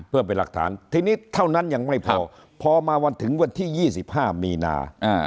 เพื่อเป็นหลักฐานทีนี้เท่านั้นยังไม่พอพอมาวันถึงวันที่๒๕มีนา